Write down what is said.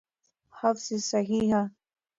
حفظی الصیحه